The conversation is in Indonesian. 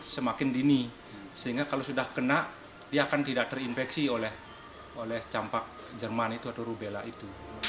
semakin dini sehingga kalau sudah kena dia akan tidak terinfeksi oleh campak jerman itu atau rubella itu